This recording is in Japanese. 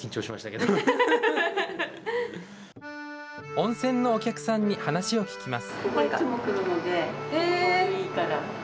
温泉のお客さんに話を聞きます。